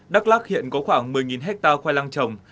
đắk lắc hiện có khoảng một mươi hectare khoai lang trồng